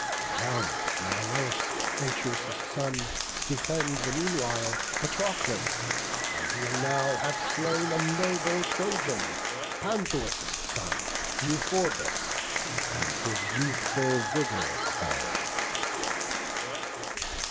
The valiant Menelaus, Atreus' son, Defends meanwhile Patroclus; and e'en now Hath slain a noble Trojan, Panthous' son, Euphorbus, and his youthful vigour quell'd."